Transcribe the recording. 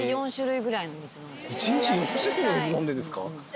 １日４種類の水飲んでるんですか？